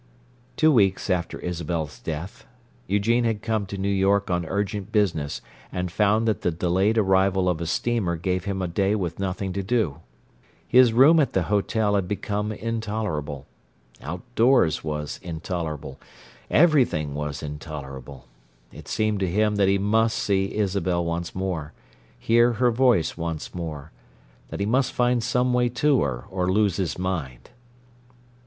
Two weeks after Isabel's death, Eugene had come to New York on urgent business and found that the delayed arrival of a steamer gave him a day with nothing to do. His room at the hotel had become intolerable; outdoors was intolerable; everything was intolerable. It seemed to him that he must see Isabel once more, hear her voice once more; that he must find some way to her, or lose his mind.